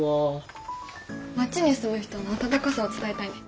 町に住む人の温かさを伝えたいね。